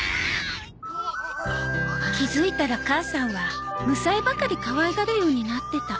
気づいたら母さんはむさえばかりかわいがるようになってた